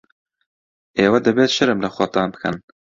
ئێوە دەبێت شەرم لە خۆتان بکەن.